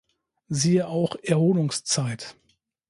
Siehe auch: Erholungszeit.